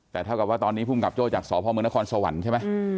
แต่เท่ากับว่าตอนนี้ภูมิกับโจ้จากสพมศใช่ไหม